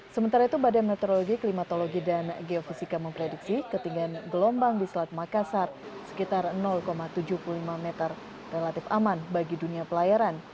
sementara itu badan meteorologi klimatologi dan geofisika memprediksi ketinggian gelombang di selat makassar sekitar tujuh puluh lima meter relatif aman bagi dunia pelayaran